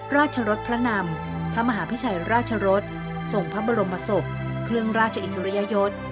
รสพระนำพระมหาพิชัยราชรสส่งพระบรมศพเครื่องราชอิสริยยศ